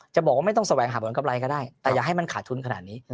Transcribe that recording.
บอกว่าไม่ต้องแสวงหาผลกำไรก็ได้แต่อย่าให้มันขาดทุนขนาดนี้